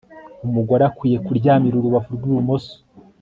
umugore akwiye kuryamira urubavu rw'ibumoso